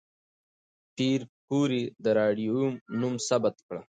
پېیر کوري د راډیوم نوم ثبت کړ.